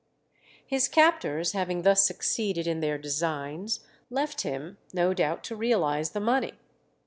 His captors having thus succeeded in their designs, left him, no doubt to realize the money.